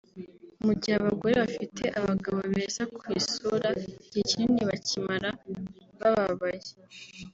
mu gihe abagore bafite abagabo beza ku isura igihe kinini bakimara bababaye